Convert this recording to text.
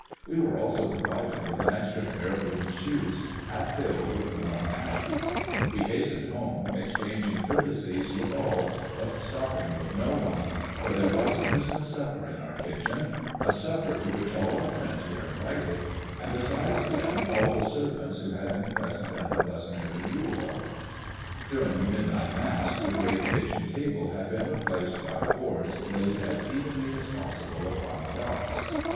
We were also provided with an extra pair of wooden shoes half filled with warm ashes. We hastened home, exchanging courtesies with all, but stopping with no one; for there was a Christmas supper in our kitchen, a supper to which all our friends were invited, and besides them all the servants who had been present at the blessing of the Yule log. During midnight Mass the great kitchen table had been replaced by boards laid as evenly as possible upon props.